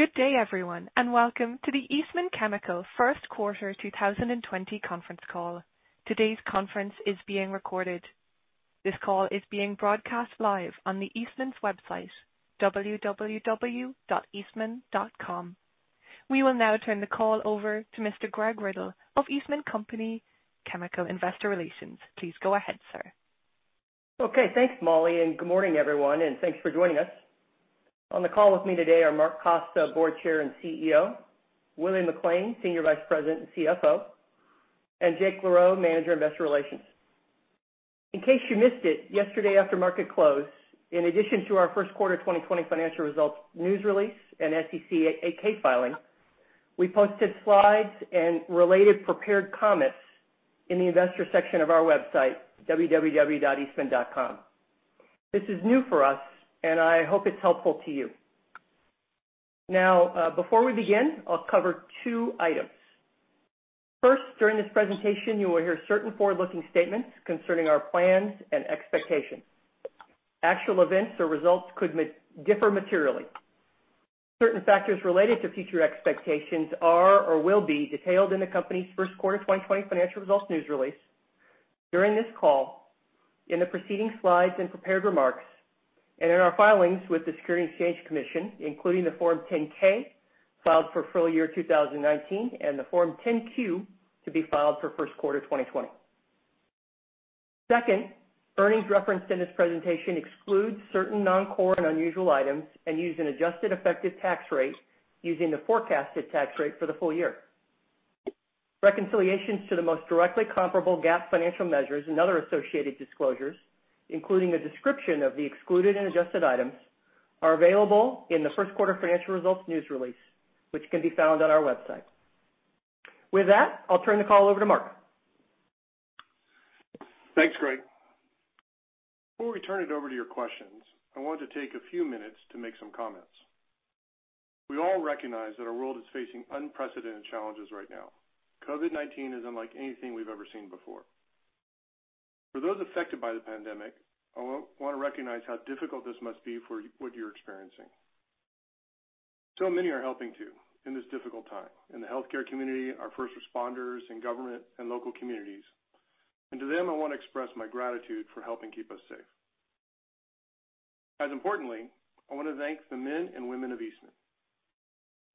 Good day, everyone, welcome to the Eastman Chemical first quarter 2020 conference call. Today's conference is being recorded. This call is being broadcast live on Eastman's website, www.eastman.com. We will now turn the call over to Mr. Greg Riddle of Eastman Chemical Company Investor Relations. Please go ahead, sir. Okay. Thanks, Molly. Good morning, everyone. Thanks for joining us. On the call with me today are Mark Costa, Board Chair and CEO, Willie McLain, Senior Vice President and CFO, and Jake LaRoe, Manager Investor Relations. In case you missed it, yesterday after market close, in addition to our first quarter 2020 financial results news release and SEC 8-K filing, we posted slides and related prepared comments in the Investor section of our website, www.eastman.com. This is new for us. I hope it's helpful to you. Before we begin, I'll cover two items. First, during this presentation, you will hear certain forward-looking statements concerning our plans and expectations. Actual events or results could differ materially. Certain factors related to future expectations are or will be detailed in the company's first quarter 2020 financial results news release, during this call, in the preceding slides and prepared remarks, and in our filings with the Securities and Exchange Commission, including the Form 10-K filed for full year 2019 and the Form 10-Q to be filed for first quarter 2020. Earnings referenced in this presentation exclude certain non-core and unusual items and use an adjusted effective tax rate using the forecasted tax rate for the full year. Reconciliations to the most directly comparable GAAP financial measures and other associated disclosures, including a description of the excluded and adjusted items, are available in the first quarter financial results news release, which can be found on our website. With that, I'll turn the call over to Mark. Thanks, Greg. Before we turn it over to your questions, I wanted to take a few minutes to make some comments. We all recognize that our world is facing unprecedented challenges right now. COVID-19 is unlike anything we've ever seen before. For those affected by the pandemic, I want to recognize how difficult this must be for what you're experiencing. Many are helping, too, in this difficult time, in the healthcare community, our first responders in government and local communities. To them, I want to express my gratitude for helping keep us safe. As importantly, I want to thank the men and women of Eastman.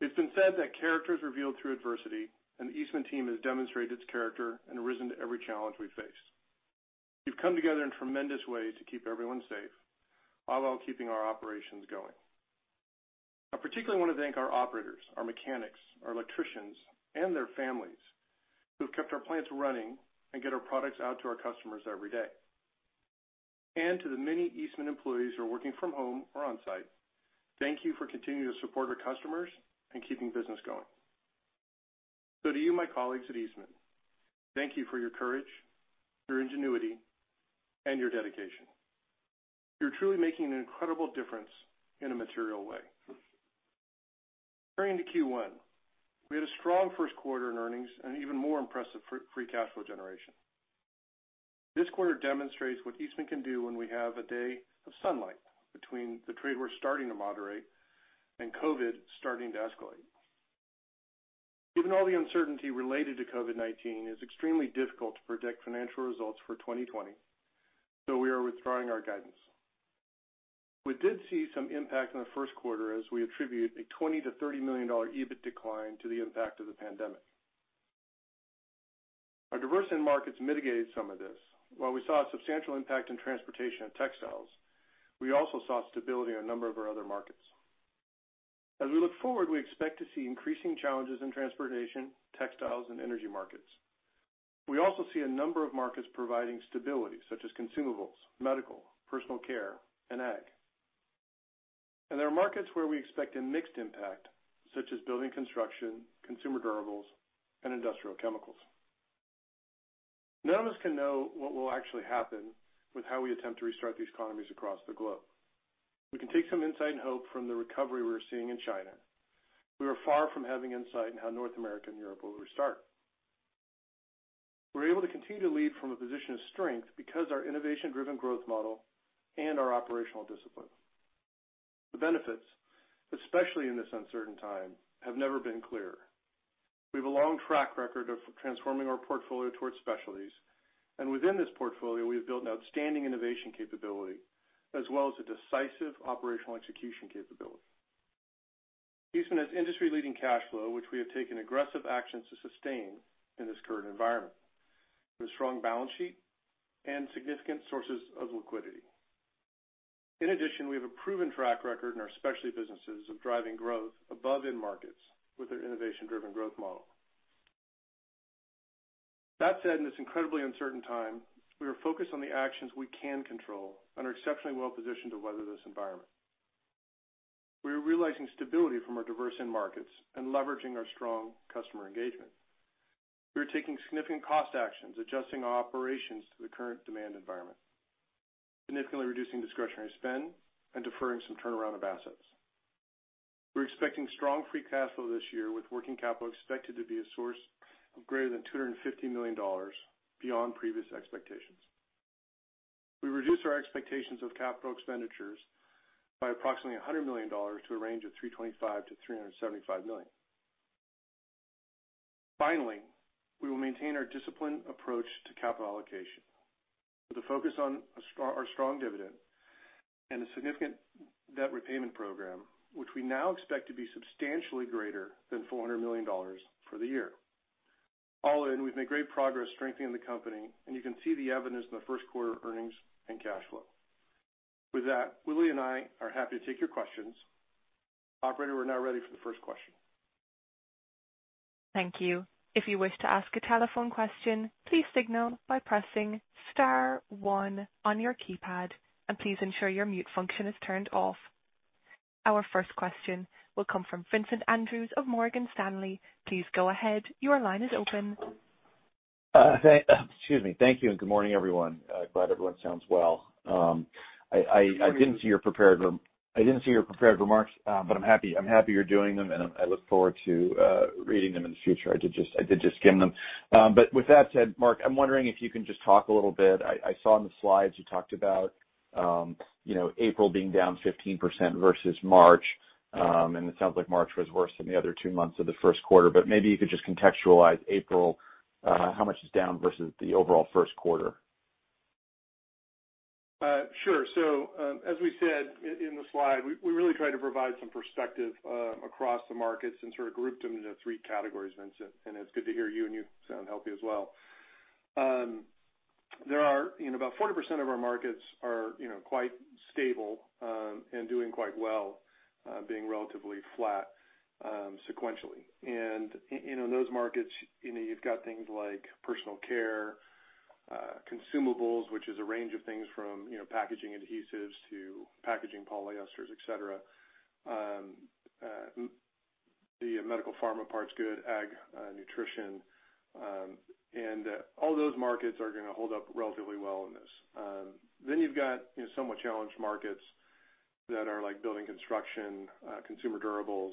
It's been said that character is revealed through adversity, and the Eastman team has demonstrated its character and arisen to every challenge we face. We've come together in tremendous ways to keep everyone safe, all while keeping our operations going. I particularly want to thank our operators, our mechanics, our electricians, and their families, who've kept our plants running and get our products out to our customers every day. To the many Eastman employees who are working from home or on-site, thank you for continuing to support our customers and keeping business going. To you, my colleagues at Eastman, thank you for your courage, your ingenuity, and your dedication. You're truly making an incredible difference in a material way. Turning to Q1. We had a strong first quarter in earnings and even more impressive free cash flow generation. This quarter demonstrates what Eastman can do when we have a day of sunlight between the trade war starting to moderate and COVID starting to escalate. Given all the uncertainty related to COVID-19, it's extremely difficult to predict financial results for 2020, so we are withdrawing our guidance. We did see some impact in the first quarter as we attribute a $20 million-$30 million EBIT decline to the impact of the pandemic. Our diverse end markets mitigated some of this. While we saw a substantial impact in transportation and textiles, we also saw stability in a number of our other markets. As we look forward, we expect to see increasing challenges in transportation, textiles, and energy markets. We also see a number of markets providing stability, such as consumables, medical, personal care, and ag. There are markets where we expect a mixed impact, such as building construction, consumer durables, and industrial chemicals. None of us can know what will actually happen with how we attempt to restart these economies across the globe. We can take some insight and hope from the recovery we're seeing in China. We are far from having insight in how North America and Europe will restart. We're able to continue to lead from a position of strength because our innovation-driven growth model and our operational discipline. The benefits, especially in this uncertain time, have never been clearer. We have a long track record of transforming our portfolio towards specialties, and within this portfolio, we have built an outstanding innovation capability as well as a decisive operational execution capability. Eastman has industry-leading cash flow, which we have taken aggressive actions to sustain in this current environment, with a strong balance sheet and significant sources of liquidity. We have a proven track record in our specialty businesses of driving growth above end markets with our innovation-driven growth model. In this incredibly uncertain time, we are focused on the actions we can control and are exceptionally well-positioned to weather this environment. We are realizing stability from our diverse end markets and leveraging our strong customer engagement. We are taking significant cost actions, adjusting our operations to the current demand environment, significantly reducing discretionary spend, and deferring some turnaround of assets. We're expecting strong free cash flow this year, with working capital expected to be a source of greater than $250 million beyond previous expectations. We reduced our expectations of capital expenditures by approximately $100 million to a range of $325 million-$375 million. Finally, we will maintain our disciplined approach to capital allocation with a focus on our strong dividend and a significant debt repayment program, which we now expect to be substantially greater than $400 million for the year. All in, we've made great progress strengthening the company, and you can see the evidence in the first quarter earnings and cash flow. With that, Willie and I are happy to take your questions. Operator, we're now ready for the first question. Thank you. If you wish to ask a telephone question, please signal by pressing star one on your keypad, and please ensure your mute function is turned off. Our first question will come from Vincent Andrews of Morgan Stanley. Please go ahead. Your line is open. Excuse me. Thank you. Good morning, everyone. Glad everyone sounds well. I didn't see your prepared remarks. I'm happy you're doing them, and I look forward to reading them in the future. I did just skim them. With that said, Mark, I'm wondering if you can just talk a little bit. I saw in the slides you talked about April being down 15% versus March, and it sounds like March was worse than the other two months of the first quarter, but maybe you could just contextualize April, how much is down versus the overall first quarter? Sure. As we said in the slide, we really try to provide some perspective across the markets and sort of grouped them into three categories, Vincent. It's good to hear you sound healthy as well. About 40% of our markets are quite stable and doing quite well, being relatively flat sequentially. In those markets, you've got things like personal care, consumables, which is a range of things from packaging adhesives to packaging polyesters, et cetera. The medical pharma part's good, ag nutrition. All those markets are going to hold up relatively well in this. You've got somewhat challenged markets that are like building construction, consumer durables,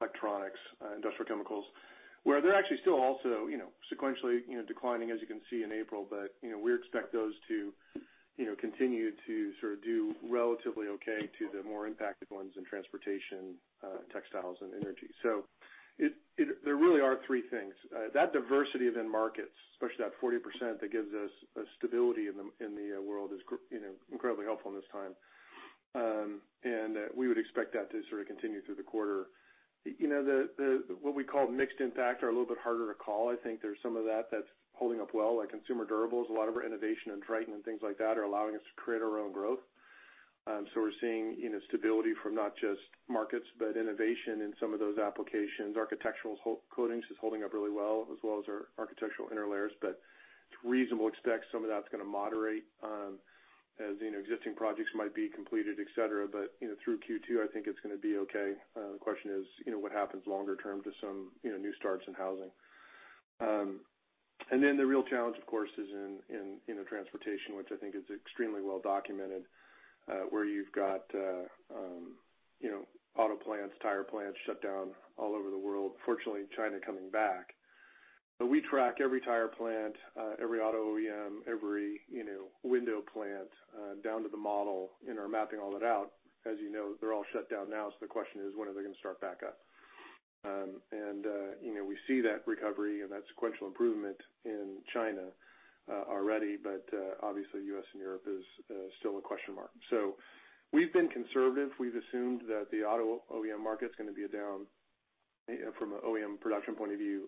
electronics, industrial chemicals, where they're actually still also sequentially declining, as you can see in April, but we expect those to continue to sort of do relatively okay to the more impacted ones in transportation, textiles and energy. There really are three things. That diversity of end markets, especially that 40% that gives us stability in the world is incredibly helpful in this time. We would expect that to sort of continue through the quarter. What we call mixed impact are a little bit harder to call. I think there's some of that that's holding up well, like consumer durables. A lot of our innovation in Tritan and things like that are allowing us to create our own growth. We're seeing stability from not just markets, but innovation in some of those applications. Architectural coatings is holding up really well, as well as our architectural interlayers. It's reasonable to expect some of that's going to moderate as existing projects might be completed, et cetera. Through Q2, I think it's going to be okay. The question is what happens longer term to some new starts in housing. The real challenge, of course, is in transportation, which I think is extremely well documented, where you've got auto plants, tire plants shut down all over the world. Fortunately, China coming back. We track every tire plant, every auto OEM, every window plant down to the model and are mapping all that out. As you know, they're all shut down now, so the question is, when are they going to start back up? We see that recovery and that sequential improvement in China already, but obviously, U.S. and Europe is still a question mark. We've been conservative. We've assumed that the auto OEM market's going to be down from an OEM production point of view,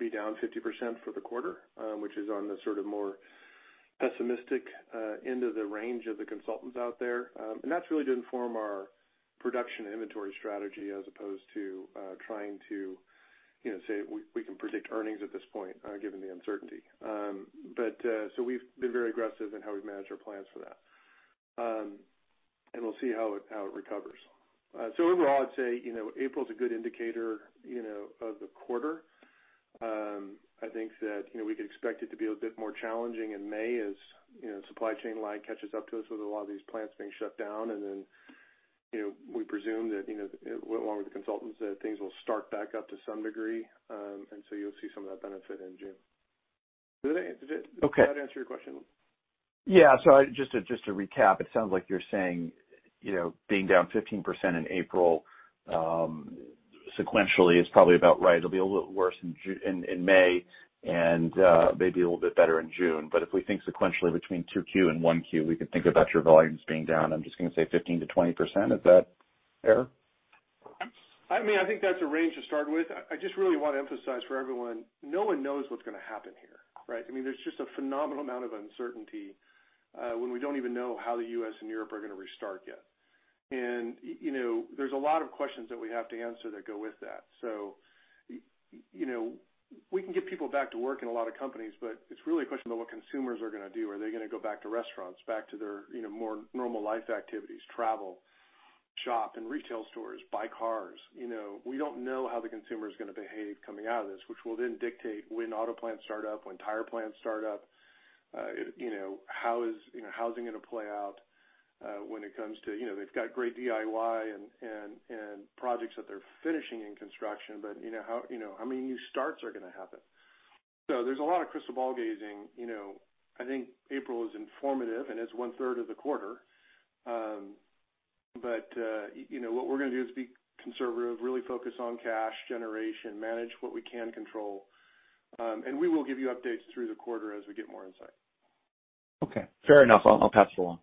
be down 50% for the quarter, which is on the sort of more pessimistic end of the range of the consultants out there. That's really to inform our production inventory strategy as opposed to trying to say we can predict earnings at this point, given the uncertainty. We've been very aggressive in how we manage our plans for that. We'll see how it recovers. Overall, I'd say April's a good indicator of the quarter. I think that we could expect it to be a bit more challenging in May as supply chain lag catches up to us with a lot of these plants being shut down. We presume that, along with the consultants, that things will start back up to some degree, and so you'll see some of that benefit in June. Does that answer your question? Just to recap, it sounds like you're saying, being down 15% in April, sequentially is probably about right. It'll be a little worse in May and maybe a little bit better in June. If we think sequentially between 2Q and 1Q, we could think about your volumes being down, I'm just going to say 15%-20%. Is that fair? I think that's a range to start with. I just really want to emphasize for everyone, no one knows what's going to happen here, right? There's just a phenomenal amount of uncertainty when we don't even know how the U.S. and Europe are going to restart yet. There's a lot of questions that we have to answer that go with that. We can get people back to work in a lot of companies, but it's really a question about what consumers are going to do. Are they going to go back to restaurants, back to their more normal life activities, travel, shop in retail stores, buy cars? We don't know how the consumer is going to behave coming out of this, which will then dictate when auto plants start up, when tire plants start up. How is housing going to play out? They've got great DIY and projects that they're finishing in construction, but how many new starts are going to happen? There's a lot of crystal ball gazing. I think April is informative and is one-third of the quarter. What we're going to do is be conservative, really focus on cash generation, manage what we can control. We will give you updates through the quarter as we get more insight. Okay, fair enough. I'll pass it along.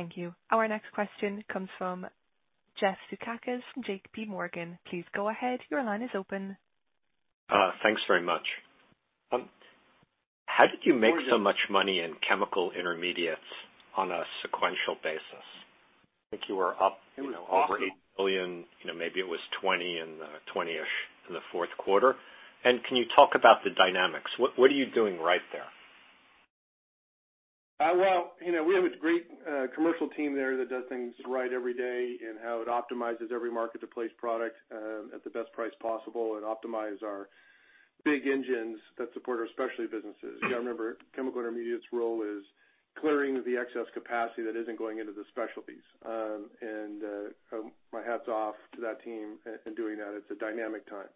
Thank you. Our next question comes from Jeff Zekauskas from J.P. Morgan. Please go ahead. Your line is open. Thanks very much. How did you make so much money in chemical intermediates on a sequential basis? $8 million, maybe it was $20 million and $20-ish million in the fourth quarter. Can you talk about the dynamics? What are you doing right there? Well, we have a great commercial team there that does things right every day in how it optimizes every market to place product at the best price possible and optimize our big engines that support our specialty businesses. You got to remember, Chemical Intermediates role is clearing the excess capacity that isn't going into the specialties. My hat's off to that team in doing that. It's a dynamic time.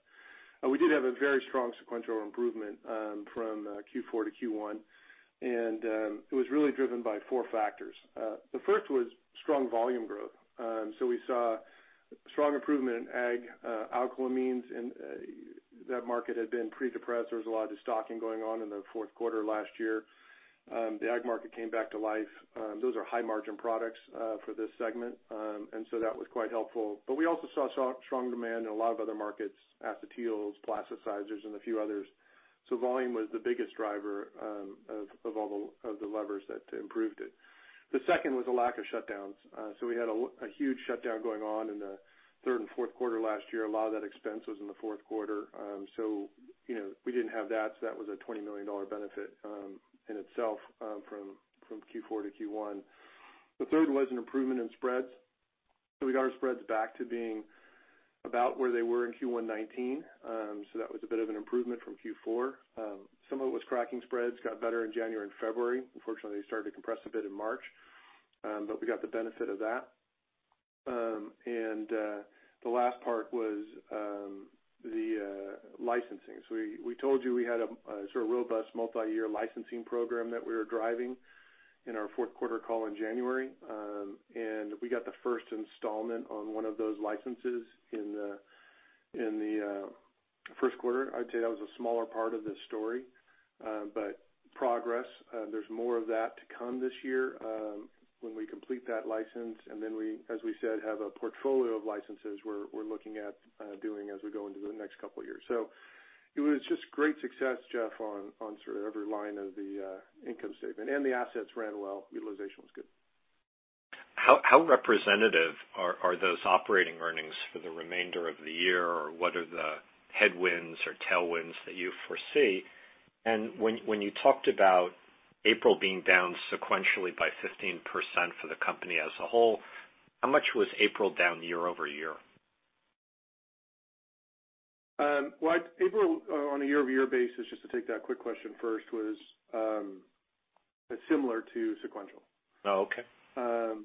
We did have a very strong sequential improvement from Q4 to Q1. It was really driven by four factors. The first was strong volume growth. We saw strong improvement in ag alkylamines. That market had been pretty depressed. There was a lot of destocking going on in the fourth quarter last year. The ag market came back to life. Those are high margin products for this segment. That was quite helpful. We also saw strong demand in a lot of other markets, acetyls, plasticizers, and a few others. Volume was the biggest driver of the levers that improved it. The second was a lack of shutdowns. We had a huge shutdown going on in the third and fourth quarter last year. A lot of that expense was in the fourth quarter. We didn't have that, so that was a $20 million benefit in itself from Q4 to Q1. The third was an improvement in spreads. We got our spreads back to being about where they were in Q1 2019. That was a bit of an improvement from Q4. Some of it was cracking spreads got better in January and February. Unfortunately, they started to compress a bit in March. We got the benefit of that. The last part was the licensing. We told you we had a sort of robust multi-year licensing program that we were driving in our fourth quarter call in January. We got the first installment on one of those licenses in the first quarter. I'd say that was a smaller part of this story. Progress, there's more of that to come this year when we complete that license, and then we, as we said, have a portfolio of licenses we're looking at doing as we go into the next couple of years. It was just great success, Jeff, on sort of every line of the income statement. The assets ran well. Utilization was good. How representative are those operating earnings for the remainder of the year? What are the headwinds or tailwinds that you foresee? When you talked about April being down sequentially by 15% for the company as a whole, how much was April down year-over-year? Well, April, on a year-over-year basis, just to take that quick question first, was similar to sequential. Oh, okay.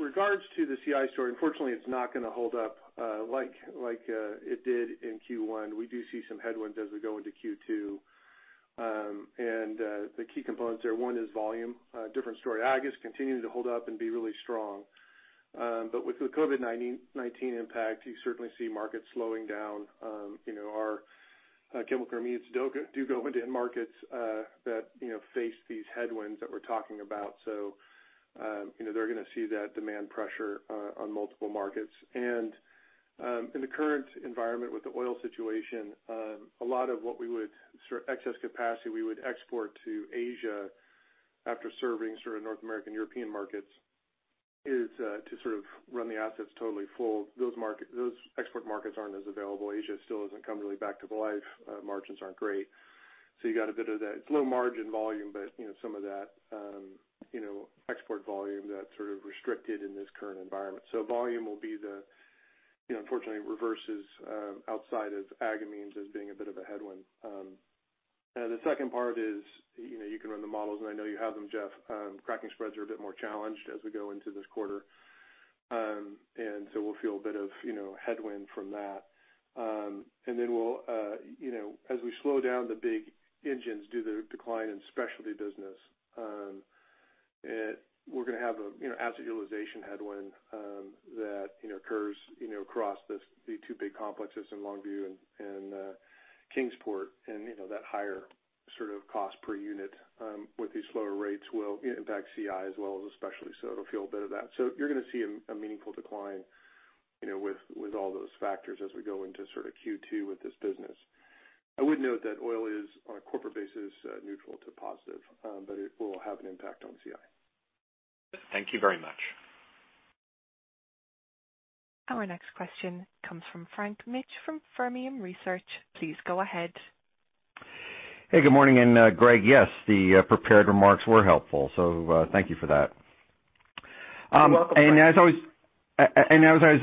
Regards to the CI story, unfortunately, it's not going to hold up like it did in Q1. We do see some headwinds as we go into Q2. The key components there, one is volume. Different story. Ag is continuing to hold up and be really strong. With the COVID-19 impact, you certainly see markets slowing down. Our chemical intermediates do go into end markets that face these headwinds that we're talking about. They're going to see that demand pressure on multiple markets. In the current environment with the oil situation, a lot of what we would sort of excess capacity we would export to Asia after serving sort of North American, European markets is to sort of run the assets totally full. Those export markets aren't as available. Asia still hasn't come really back to life. Margins aren't great. You got a bit of that. It's low margin volume, but some of that export volume that sort of restricted in this current environment. Volume will be the, unfortunately, reverses outside of alkylamines as being a bit of a headwind. The second part is, you can run the models, and I know you have them, Jeff. Cracking spreads are a bit more challenged as we go into this quarter. We'll feel a bit of headwind from that. As we slow down the big engines due to the decline in specialty business, we're going to have an asset utilization headwind that occurs across the two big complexes in Longview and Kingsport. That higher sort of cost per unit with these slower rates will impact CI as well as specialty, so it'll feel a bit of that. You're going to see a meaningful decline with all those factors as we go into sort of Q2 with this business. I would note that oil is, on a corporate basis, neutral to positive, but it will have an impact on CI. Thank you very much. Our next question comes from Frank Mitsch from Fermium Research. Please go ahead. Hey, good morning. Greg, yes, the prepared remarks were helpful, so thank you for that. You're welcome, Frank.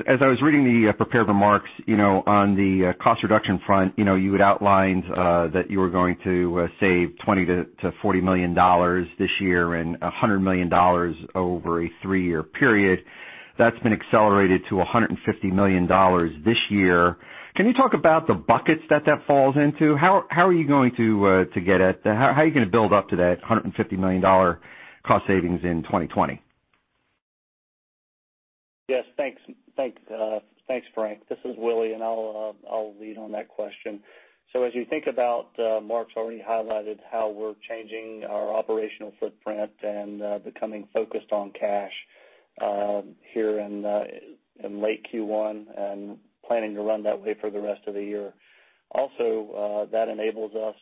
As I was reading the prepared remarks on the cost reduction front, you had outlined that you were going to save $20 million-$40 million this year and $100 million over a three-year period. That has been accelerated to $150 million this year. Can you talk about the buckets that that falls into? How are you going to get it? How are you going to build up to that $150 million cost savings in 2020? Yes, thanks, Frank. This is Willie. I'll lead on that question. As you think about, Mark's already highlighted how we're changing our operational footprint and becoming focused on cash here in late Q1 and planning to run that way for the rest of the year. That enables us,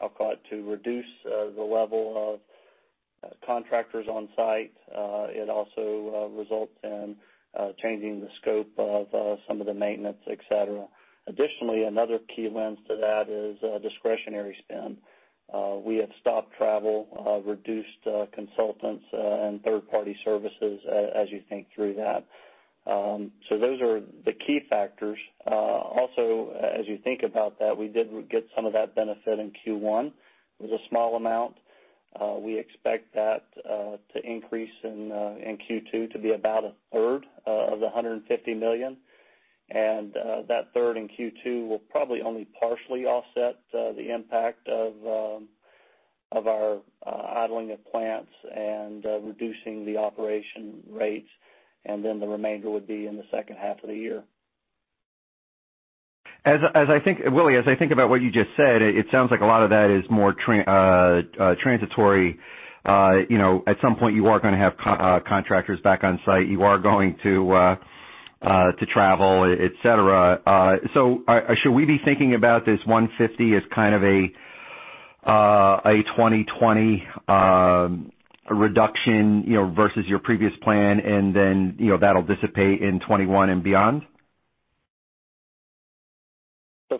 I'll call it, to reduce the level of contractors on site. It also results in changing the scope of some of the maintenance, et cetera. Additionally, another key lens to that is discretionary spend. We have stopped travel, reduced consultants and third-party services as you think through that. Those are the key factors. As you think about that, we did get some of that benefit in Q1. It was a small amount. We expect that to increase in Q2 to be about a third of the $150 million, and that third in Q2 will probably only partially offset the impact of our idling of plants and reducing the operation rates, and then the remainder would be in the second half of the year. Willie, as I think about what you just said, it sounds like a lot of that is more transitory. At some point, you are going to have contractors back on site. You are going to travel, et cetera. Should we be thinking about this $150 million as kind of a 2020 reduction versus your previous plan, and then that'll dissipate in 2021 and beyond?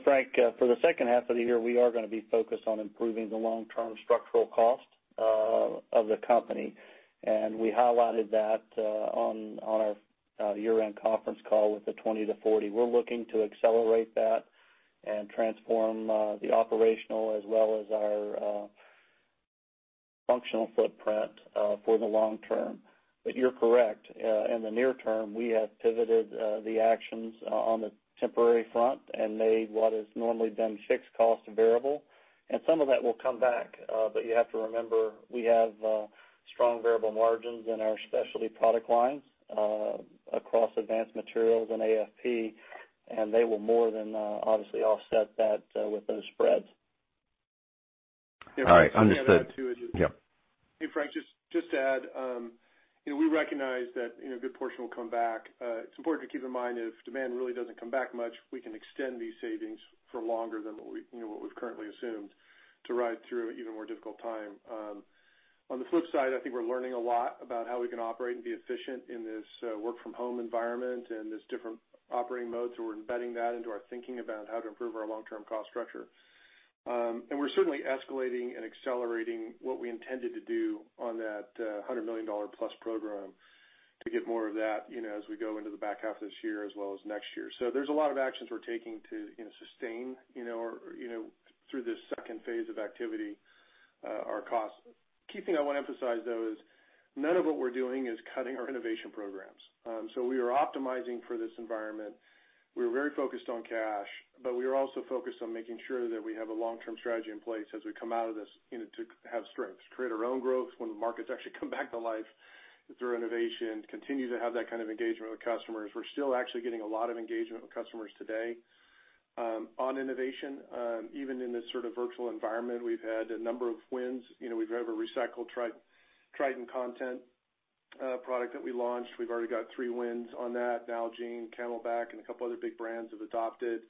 Frank, for the second half of the year, we are going to be focused on improving the long-term structural cost of the company. We highlighted that on our year-end conference call with the $20 million-$40 million. We're looking to accelerate that and transform the operational as well as our functional footprint for the long term. You're correct. In the near term, we have pivoted the actions on the temporary front and made what is normally been fixed cost variable, and some of that will come back. You have to remember, we have strong variable margins in our specialty product lines across Advanced Materials and AFP, and they will more than obviously offset that with those spreads. All right. Understood. If I can add to it. Yeah. Hey, Frank, just to add, we recognize that a good portion will come back. It's important to keep in mind if demand really doesn't come back much, we can extend these savings for longer than what we've currently assumed to ride through an even more difficult time. On the flip side, I think we're learning a lot about how we can operate and be efficient in this work from home environment and this different operating mode. We're embedding that into our thinking about how to improve our long-term cost structure. We're certainly escalating and accelerating what we intended to do on that $100 million+ program to get more of that as we go into the back half of this year as well as next year. There's a lot of actions we're taking to sustain through this second phase of activity our cost. Key thing I want to emphasize, though, is none of what we're doing is cutting our innovation programs. We are optimizing for this environment. We are very focused on cash, we are also focused on making sure that we have a long-term strategy in place as we come out of this to have strength, to create our own growth when the markets actually come back to life through innovation, continue to have that kind of engagement with customers. We're still actually getting a lot of engagement with customers today on innovation. Even in this sort of virtual environment, we've had a number of wins. We have a recycled Tritan content product that we launched. We've already got three wins on that. Nalgene, CamelBak, and a couple other big brands have adopted.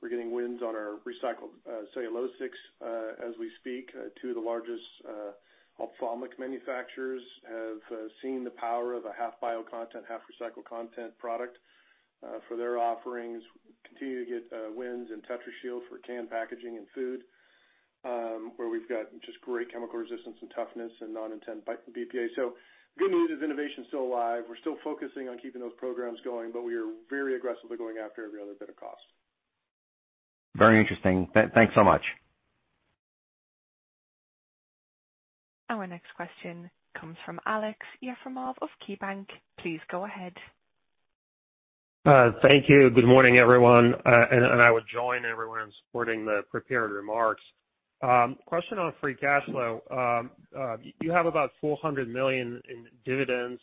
We're getting wins on our recycled Cellulosics as we speak. Two of the largest ophthalmic manufacturers have seen the power of a half bio content, half recycled content product for their offerings. Continue to get wins in Tetrashield for canned packaging and food, where we've got just great chemical resistance and toughness and non-intent BPA. Good news is innovation is still alive. We're still focusing on keeping those programs going, but we are very aggressively going after every other bit of cost. Very interesting. Thanks so much. Our next question comes from Aleksey Yefremov of KeyBanc. Please go ahead. Thank you. Good morning, everyone. I would join everyone in supporting the prepared remarks. Question on free cash flow. You have about $400 million in dividends.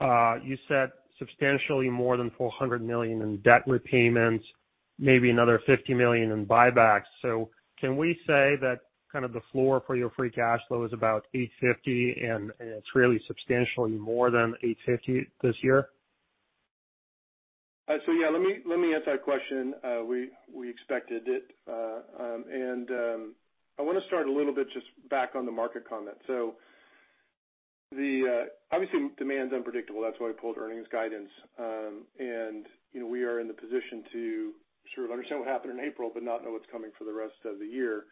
You said substantially more than $400 million in debt repayments, maybe another $50 million in buybacks. Can we say that kind of the floor for your free cash flow is about $850 million, and it's really substantially more than $850 million this year? Yeah, let me answer that question. We expected it. I want to start a little bit just back on the market comment. Obviously, demand is unpredictable. That's why we pulled earnings guidance. We are in the position to sort of understand what happened in April, but not know what's coming for the rest of the year.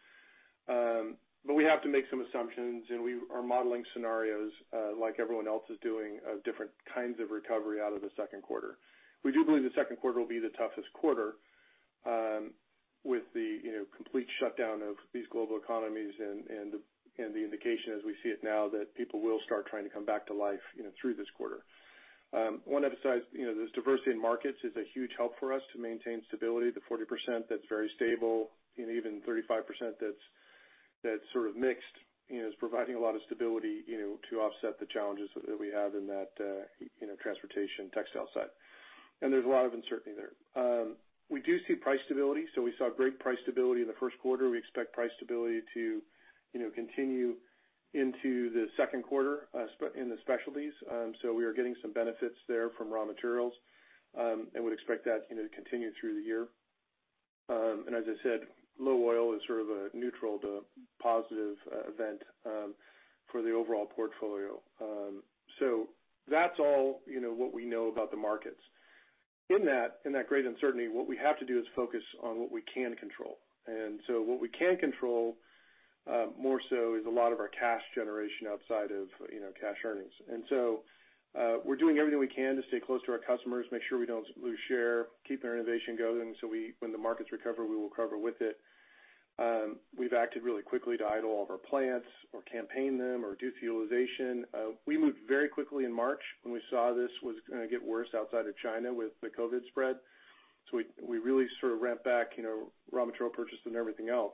We have to make some assumptions, and we are modeling scenarios like everyone else is doing different kinds of recovery out of the second quarter. We do believe the second quarter will be the toughest quarter with the complete shutdown of these global economies and the indication as we see it now, that people will start trying to come back to life through this quarter. I want to emphasize, this diversity in markets is a huge help for us to maintain stability. The 40% that's very stable and even 35% that's sort of mixed is providing a lot of stability to offset the challenges that we have in that transportation textile side. There's a lot of uncertainty there. We do see price stability. We saw great price stability in the first quarter. We expect price stability to continue into the second quarter in the specialties. We are getting some benefits there from raw materials, and we'd expect that to continue through the year. As I said, low oil is sort of a neutral to positive event for the overall portfolio. That's all what we know about the markets. In that great uncertainty, what we have to do is focus on what we can control. What we can control more so is a lot of our cash generation outside of cash earnings. We're doing everything we can to stay close to our customers, make sure we don't lose share, keep our innovation going, so when the markets recover, we will recover with it. We've acted really quickly to idle all of our plants or campaign them or reduce utilization. We moved very quickly in March when we saw this was going to get worse outside of China with the COVID spread. We really sort of ramped back raw material purchases and everything else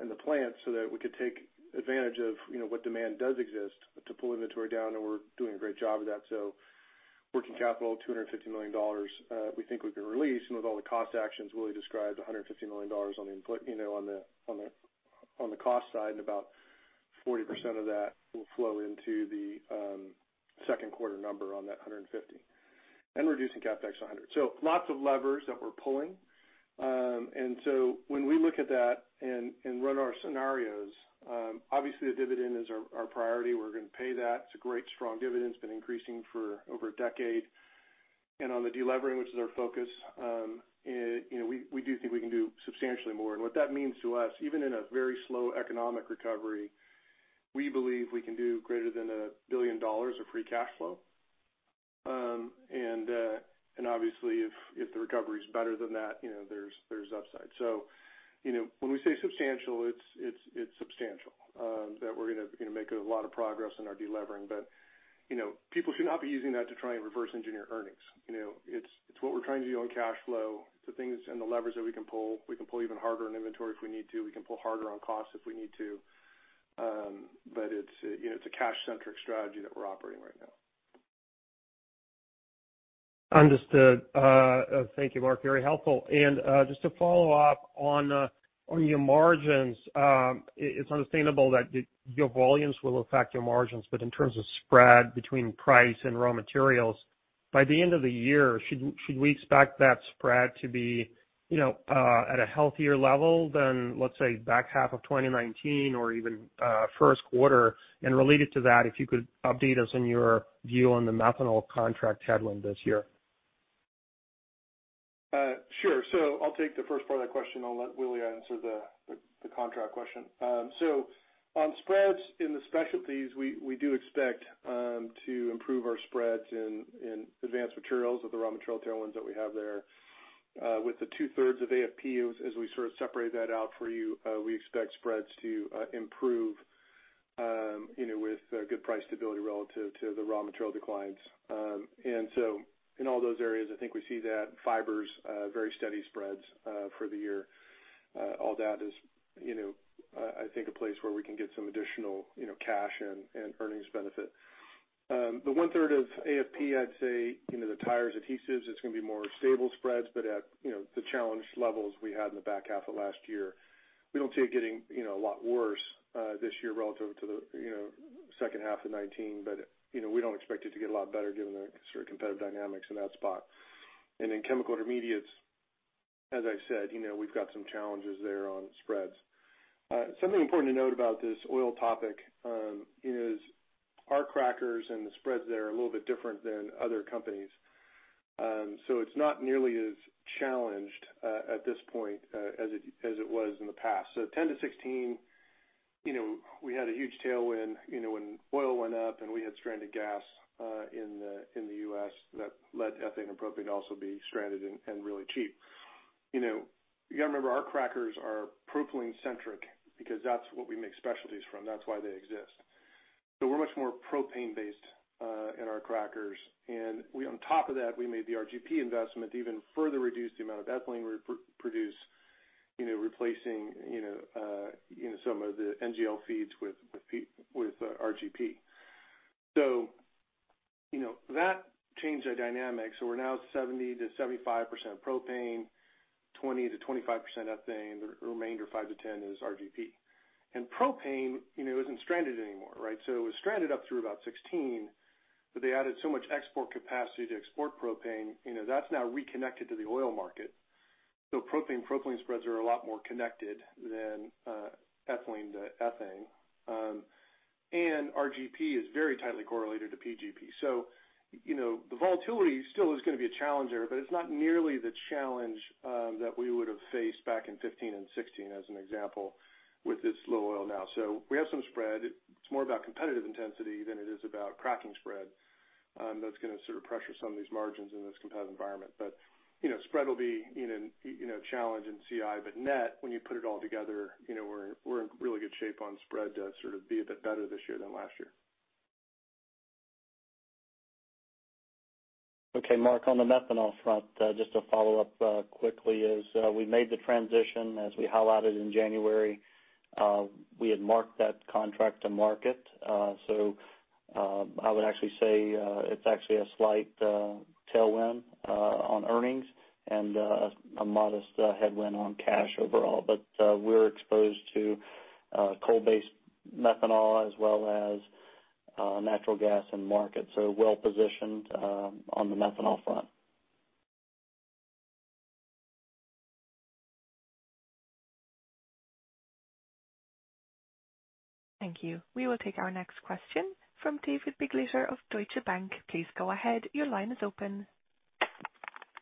in the plant so that we could take advantage of what demand does exist to pull inventory down, and we're doing a great job of that. Working capital of $250 million we think we can release. With all the cost actions Willie described, $150 million on the cost side and about 40% of that will flow into the second quarter number on that $150 million. Reducing CapEx $100 million. Lots of levers that we're pulling. When we look at that and run our scenarios, obviously, the dividend is our priority. We're going to pay that. It's a great, strong dividend. It's been increasing for over a decade. On the delevering, which is our focus, we do think we can do substantially more. What that means to us, even in a very slow economic recovery, we believe we can do greater than $1 billion of free cash flow. Obviously if the recovery is better than that, there's upside. When we say substantial, it's substantial, that we're going to make a lot of progress in our delevering. People should not be using that to try and reverse engineer earnings. It's what we're trying to do on cash flow, the things and the levers that we can pull. We can pull even harder on inventory if we need to. We can pull harder on costs if we need to. It's a cash-centric strategy that we're operating right now. Understood. Thank you, Mark. Very helpful. Just to follow up on your margins, it's understandable that your volumes will affect your margins, but in terms of spread between price and raw materials, by the end of the year, should we expect that spread to be at a healthier level than, let's say, back half of 2019 or even first quarter? Related to that, if you could update us on your view on the methanol contract headwind this year. I'll take the first part of that question. I'll let Willie answer the contract question. On spreads in the specialties, we do expect to improve our spreads in advanced materials with the raw material tailwinds that we have there. With the two-thirds of AFP, as we sort of separated that out for you, we expect spreads to improve with good price stability relative to the raw material declines. In all those areas, I think we see that fibers, very steady spreads for the year. All that is I think a place where we can get some additional cash and earnings benefit. The one-third of AFP, I'd say, the tires, adhesives, it's going to be more stable spreads, but at the challenged levels we had in the back half of last year. We don't see it getting a lot worse this year relative to the second half of 2019, but we don't expect it to get a lot better given the sort of competitive dynamics in that spot. In chemical intermediates, as I said, we've got some challenges there on spreads. Something important to note about this oil topic is our crackers and the spreads there are a little bit different than other companies. It's not nearly as challenged at this point as it was in the past. 2010 to 2016, we had a huge tailwind when oil went up, and we had stranded gas in the U.S. that led ethane and propane to also be stranded and really cheap. You got to remember, our crackers are propylene centric because that's what we make specialties from. That's why they exist. We're much more propane based in our crackers. On top of that, we made the RGP investment to even further reduce the amount of ethylene we produce replacing some of the NGL feeds with RGP. That changed our dynamics. We're now 70%-75% propane, 20%-25% ethane. The remainder, 5%-10%, is RGP. Propane isn't stranded anymore, right? It was stranded up through about 2016, but they added so much export capacity to export propane, that's now reconnected to the oil market. Propane spreads are a lot more connected than ethylene to ethane. Our RGP is very tightly correlated to PGP. The volatility still is going to be a challenge there, but it's not nearly the challenge that we would've faced back in 2015 and 2016, as an example, with this low oil now. We have some spread. It's more about competitive intensity than it is about cracking spread that's going to sort of pressure some of these margins in this competitive environment. Spread will be a challenge in CI, but net, when you put it all together, we're in really good shape on spread to sort of be a bit better this year than last year. Okay, Mark, on the methanol front, just to follow up quickly, we made the transition as we highlighted in January. We had marked that contract to market. I would actually say it's actually a slight tailwind on earnings and a modest headwind on cash overall. We're exposed to coal-based methanol as well as natural gas and markets, well-positioned on the methanol front. Thank you. We will take our next question from David Begleiter of Deutsche Bank. Please go ahead. Your line is open.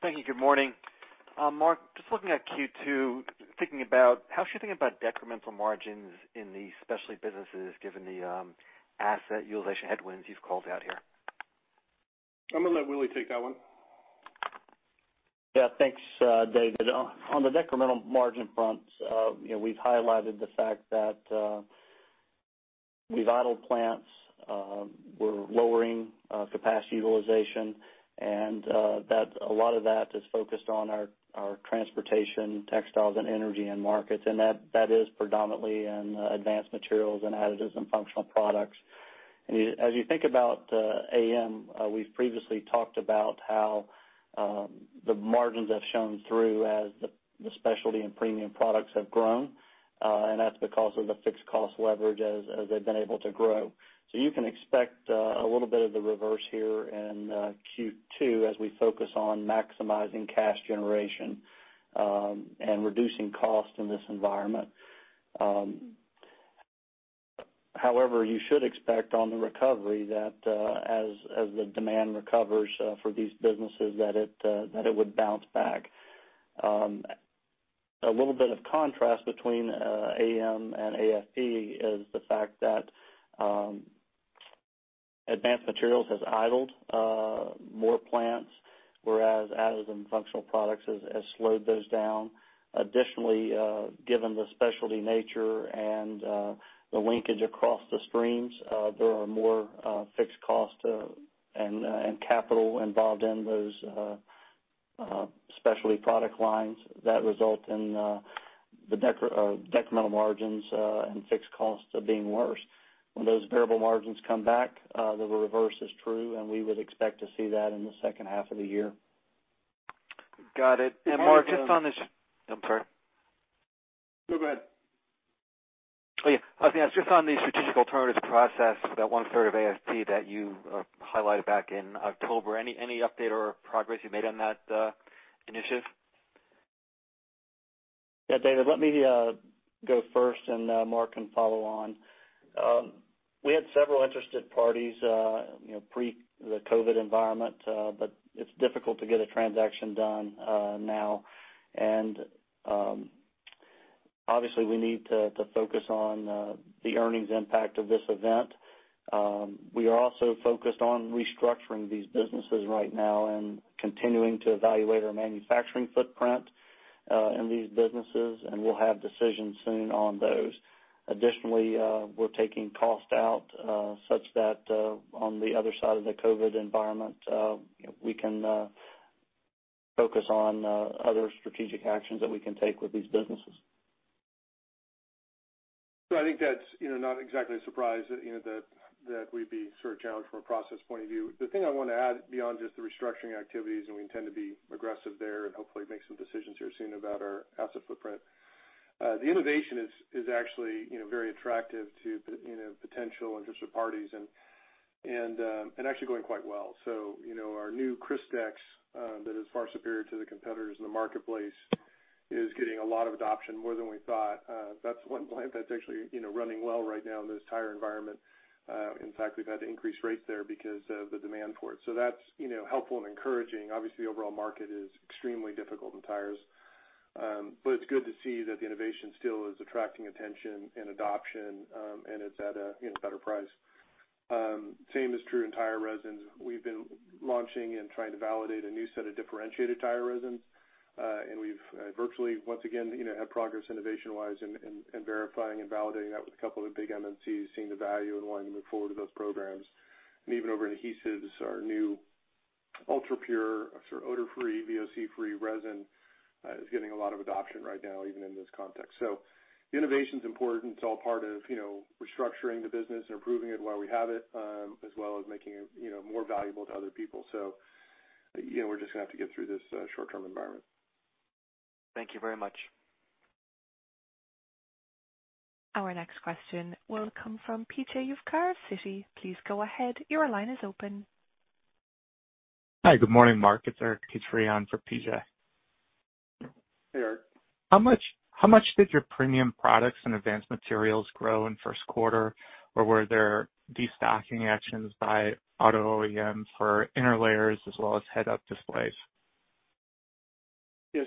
Thank you. Good morning. Mark, just looking at Q2, how should we think about decremental margins in the specialty businesses, given the asset utilization headwinds you've called out here? I'm going to let Willie take that one. Yeah, thanks, David. On the decremental margin front, we've highlighted the fact that we've idled plants, we're lowering capacity utilization. A lot of that is focused on our transportation, textiles, and energy end markets, and that is predominantly in advanced materials and Additives & Functional Products. As you think about AM, we've previously talked about how the margins have shown through as the specialty and premium products have grown. That's because of the fixed cost leverage as they've been able to grow. You can expect a little bit of the reverse here in Q2 as we focus on maximizing cash generation and reducing cost in this environment. However, you should expect on the recovery that as the demand recovers for these businesses, that it would bounce back. A little bit of contrast between AM and AFP is the fact that Advanced Materials has idled more plants, whereas Additives & Functional Products has slowed those down. Additionally, given the specialty nature and the linkage across the streams, there are more fixed costs and capital involved in those specialty product lines that result in the decremental margins and fixed costs being worse. When those variable margins come back, the reverse is true, and we would expect to see that in the second half of the year. Got it. Mark, I'm sorry. No, go ahead. Oh, yeah. I was going to ask just on the strategic alternatives process, that one-third of AFP that you highlighted back in October, any update or progress you made on that initiative? Yeah, David, let me go first. Mark can follow on. We had several interested parties pre the COVID environment. It's difficult to get a transaction done now. Obviously, we need to focus on the earnings impact of this event. We are also focused on restructuring these businesses right now and continuing to evaluate our manufacturing footprint in these businesses, and we'll have decisions soon on those. Additionally, we're taking cost out such that on the other side of the COVID environment, we can focus on other strategic actions that we can take with these businesses. I think that's not exactly a surprise that we'd be sort of challenged from a process point of view. The thing I want to add beyond just the restructuring activities, and we intend to be aggressive there and hopefully make some decisions here soon about our asset footprint. The innovation is actually very attractive to potential interested parties and actually going quite well. Our new Crystex that is far superior to the competitors in the marketplace is getting a lot of adoption, more than we thought. That's one plant that's actually running well right now in this tire environment. In fact, we've had to increase rates there because of the demand for it. That's helpful and encouraging. Obviously, the overall market is extremely difficult in tires. It's good to see that the innovation still is attracting attention and adoption, and it's at a better price. Same is true in tire resins. We've been launching and trying to validate a new set of differentiated tire resins. We've virtually once again had progress innovation-wise in verifying and validating that with a couple of the big MNCs seeing the value and wanting to move forward with those programs. Even over in adhesives, our new ultra-pure, sort of odor-free, VOC-free resin is getting a lot of adoption right now, even in this context. Innovation's important. It's all part of restructuring the business and improving it while we have it, as well as making it more valuable to other people. We're just going to have to get through this short-term environment. Thank you very much. Our next question will come from P.J. Juvekar of Citi. Please go ahead. Your line is open. Hi, good morning, Mark. It's Eric Petrie on for P.J. Hey, Eric. How much did your premium products and Advanced Materials grow in first quarter, or were there destocking actions by auto OEMs for interlayers as well as head-up displays? Yeah.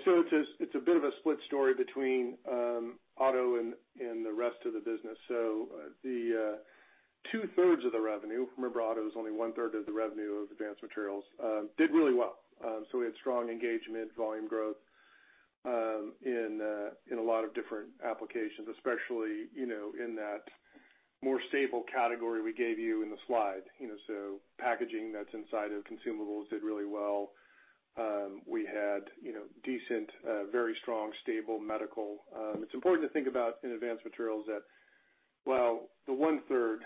It's a bit of a split story between auto and the rest of the business. The two-thirds of the revenue, remember auto is only one-third of the revenue of Advanced Materials, did really well. We had strong engagement, volume growth in a lot of different applications, especially, in that more stable category we gave you in the slide. Packaging that's inside of consumables did really well. We had decent, very strong, stable medical. It's important to think about, in Advanced Materials, that while the one-third